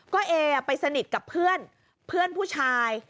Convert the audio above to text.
ก็เอไปสนิทกับเพื่อนเพื่อนผู้ชาย